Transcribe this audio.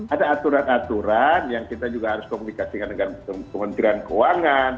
ada aturan aturan yang kita juga harus komunikasikan dengan kementerian keuangan